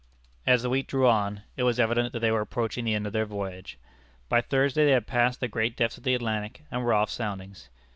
As the week drew on, it was evident that they were approaching the end of their voyage. By Thursday they had passed the great depths of the Atlantic, and were off soundings.